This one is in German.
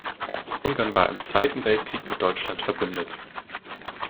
Ungarn war im Zweiten Weltkrieg mit Deutschland verbündet.